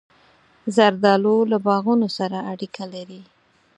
زردالو له باغونو سره اړیکه لري.